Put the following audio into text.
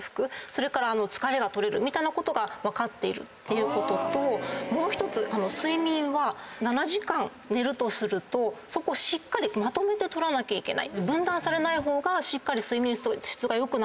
それから疲れが取れることが分かっているっていうことともう１つ睡眠は７時間寝るとするとそこをしっかりまとめて取らなきゃいけない分断されない方が睡眠の質が良く